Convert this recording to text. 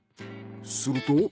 すると。